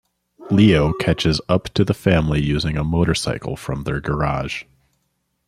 Leo catches up to the family using a motorcycle from their garage.